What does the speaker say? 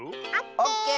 オッケー！